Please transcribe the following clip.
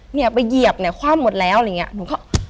เนี่ยไปเหยียบเนี่ยคว่ำหมดแล้วอะไรอย่างเงี้ยหนูก็